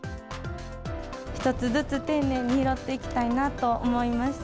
一つずつ丁寧に拾っていきたいなと思いました。